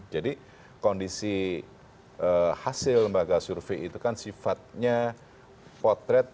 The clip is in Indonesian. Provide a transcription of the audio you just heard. jadi kondisi hasil lembaga survei itu kan sifatnya potret